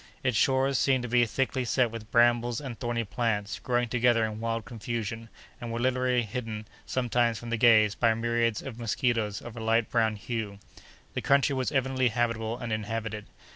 Its shores seemed to be thickly set with brambles and thorny plants, growing together in wild confusion, and were literally hidden, sometimes, from the gaze, by myriads of mosquitoes of a light brown hue. The country was evidently habitable and inhabited.